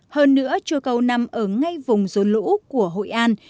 hơn nữa chùa cầu nằm ở ngay vùng dồn lũ của hội an